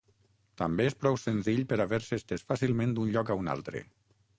També és prou senzill per haver-se estès fàcilment d'un lloc a un altre.